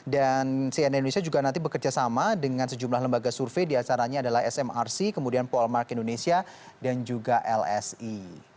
dan cnn indonesia juga nanti bekerja sama dengan sejumlah lembaga survei di acaranya adalah smrc kemudian polmark indonesia dan juga lsi